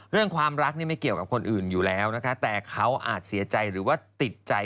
เรื่องความรักนี่ไม่เกี่ยวกับคนอื่นอยู่แล้วนะคะแต่เขาอาจเสียใจหรือว่าติดใจ